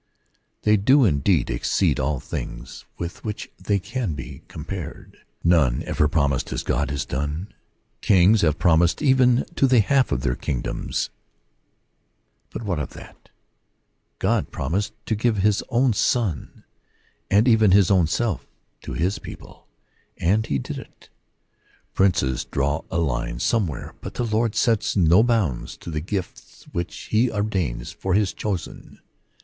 They do indeed exceed all things with which they can be com pared. None ever promised as God has done. Kings have promised even to the half of their king doms ; but what of that ? God promised to give his own Son, and even his own Self, to his people, and he did it. Princes draw a line somewhere, but the Lord sets no bounds to the gifts which he ordains for his chosen.